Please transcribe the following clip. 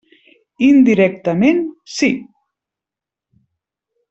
Indirectament sí.